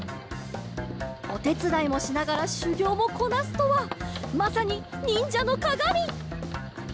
おてつだいもしながらしゅぎょうもこなすとはまさににんじゃのかがみ！